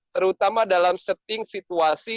terutama dalam setting situasi